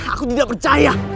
aku tidak percaya